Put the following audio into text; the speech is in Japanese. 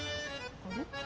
あれ？